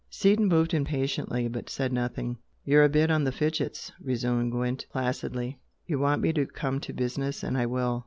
Seaton moved impatiently, but said nothing, "You're a bit on the fidgets" resumed Gwent, placidly "You want me to come to business and I will.